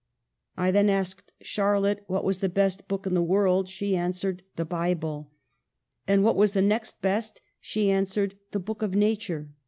I then asked Charlotte what was the best book in the world ; she answered, ' The Bible.' And what was the next best ; she answered, ' The book of Nature.'